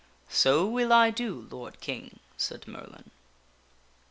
" So will I do, lord King," said Merlin.